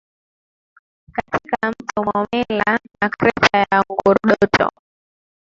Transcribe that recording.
katika Mto Momella na Kreta ya Ngurudoto